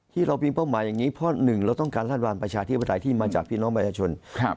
ที่เราพิมพ์เป้าหมายอย่างนี้เพราะหนึ่งเราต้องการรัฐบาลประชาเทพธรรมไทยที่มาจากพี่น้องมัยชน